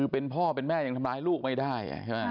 เป็นพ่อเป็นแม่ยังทำร้ายลูกไม่ได้ใช่ไหม